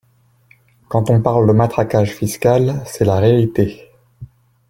Quand on parle de matraquage fiscal, c’est la réalité.